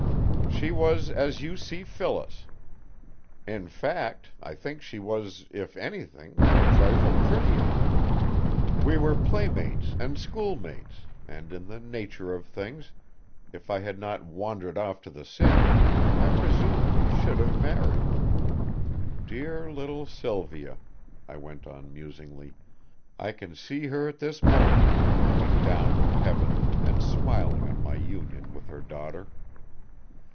"She was as you see Phyllis. In fact I think she was, if anything, a trifle prettier. We were playmates and schoolmates, and in the nature of things, if I had not wandered off to the city, I presume we should have married. Dear little Sylvia," I went on musingly, "I can see her at this moment, looking down from heaven and smiling on my union with her daughter.